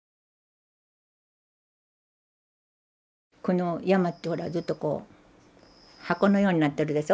この山ってほらずっとこう箱のようになってるでしょ。